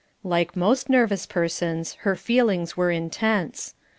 Like most nervous persons, her feelings were intense.